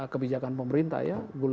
kebijakan pemerintah ya